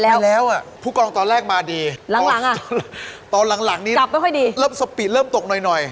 หลังอ่ะกลับไม่ค่อยดีตอนหลังนี้สปีดเริ่มตกหน่อย